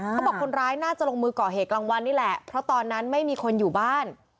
คนร้ายน่าจะลงมือก่อเหตุกลางวันนี่แหละเพราะตอนนั้นไม่มีคนอยู่บ้าน